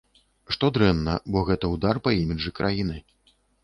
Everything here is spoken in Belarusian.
Што дрэнна, бо гэта ўдар па іміджы краіны.